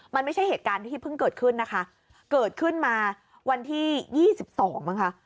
มันไม่ใช่เหตุการณ์ที่เพิ่งเกิดขึ้นนะคะเกิดขึ้นมาวันที่๒๒นะคะ